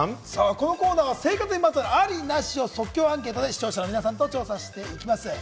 このコーナーは生活にまつわる、ありなしを即興アンケートで視聴者の皆さんと調査していきます。